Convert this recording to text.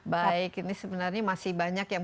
baik ini sebenarnya masih banyak yang